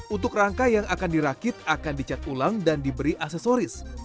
untuk rangka yang akan dirakit akan dicat ulang dan diberi aksesoris